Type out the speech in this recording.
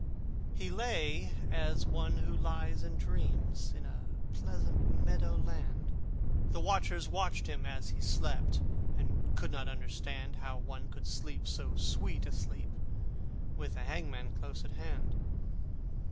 He lay as one who lies and dreams In a pleasant meadow land, The watchers watched him as he slept, And could not understand How one could sleep so sweet a sleep With a hangman close at hand.